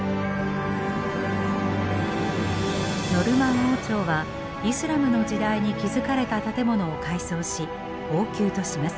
ノルマン王朝はイスラムの時代に築かれた建物を改装し王宮とします。